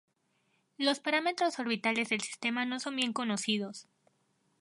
Los parámetros orbitales del sistema no son bien conocidos.